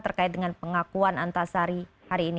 terkait dengan pengakuan antasari hari ini